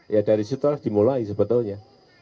ya dari situ lah dimulai sebetulnya